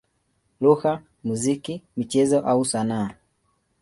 lugha, muziki, michezo au sanaa.